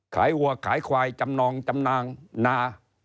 วัวขายควายจำนองจำนางนา